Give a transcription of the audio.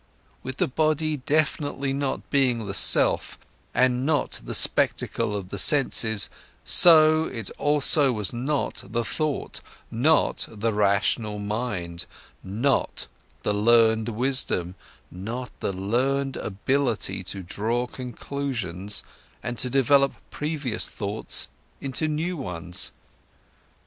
With the body definitely not being the self, and not the spectacle of the senses, so it also was not the thought, not the rational mind, not the learned wisdom, not the learned ability to draw conclusions and to develop previous thoughts in to new ones.